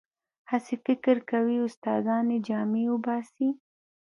هسې فکر کوي استادان یې جامې وباسي.